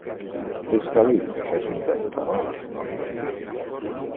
"Crystallin" es un belle parola, nonne?